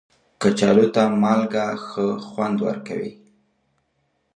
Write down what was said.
کچالو ته مالګه ښه خوند ورکوي